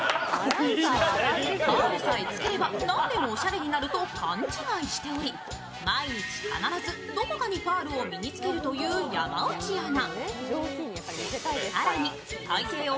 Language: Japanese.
続いてはパールさえつければ何でもおしゃれになると勘違いしており、毎日必ずどこかにパールを身に着けるという山内アナ。